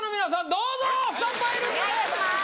どうぞスタンバイルームへお願いいたします